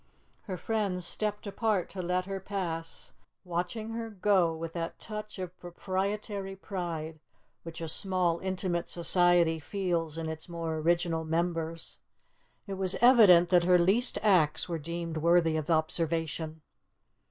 Her friends stepped apart to let her pass, watching her go with that touch of proprietary pride which a small intimate society feels in its more original members. It was evident that her least acts were deemed worthy of observation.